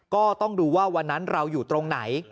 ก็ต้องดูว่าวันนั้นเราอยู่ตรงไหน